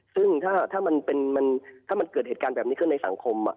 ซึ่งถ้ามันเกิดเหตุการณ์แบบนี้ขึ้นในสังคม